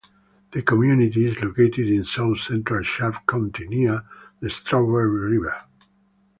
The community is located in south central Sharp County, near the Strawberry River.